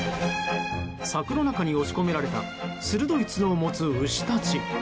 柵の中に押し込められた鋭い角を持つ牛たち。